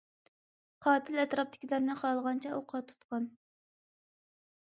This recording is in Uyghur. قاتىل ئەتراپتىكىلەرنى خالىغانچە ئوققا تۇتقان.